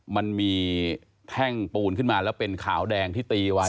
มันมีแท่งปูนขึ้นมาแล้วเป็นขาวแดงที่ตีไว้